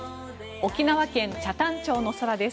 沖縄県北谷町の空です。